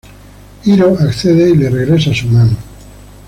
Hiro accede y le regresa su mano.